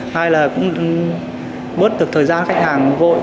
hai là cũng bớt được thời gian khách hàng vội